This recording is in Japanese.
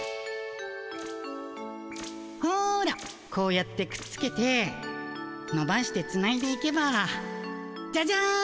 ほらこうやってくっつけてのばしてつないでいけばジャジャン！